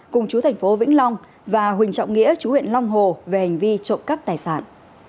cùng chú thành phố vĩnh long và huỳnh trọng nghĩa chú huyện long hồ về hành vi trộm cắp tài sản